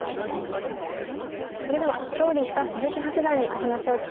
それでは勝利した鈴木八段にお話を聞きたいと思います。